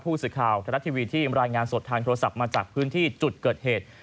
ผู้สื่อข่าวทรัฐทีวีที่รายงานสดทางโทรศัพท์มาจากพื้นที่จุดเกิดเหตุ